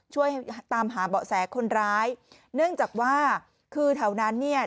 ช่วยตามหาเบาะแสคนร้ายเนื่องจากว่าคือแถวนั้นเนี่ย